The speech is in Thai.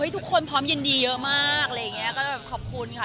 ทุกคนพร้อมยินดีเยอะมากขอบคุณค่ะ